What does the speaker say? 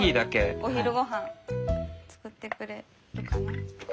お昼ごはん作ってくれるかな？